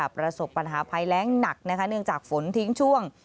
ประสบปัญหาภัยแรงหนักเนื่องจากฝนทิ้งช่วง